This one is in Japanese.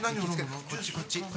こっちこっち。